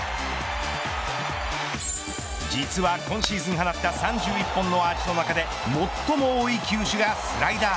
実は、今シーズン放った３１本のアーチの中で最も多い球種がスライダー。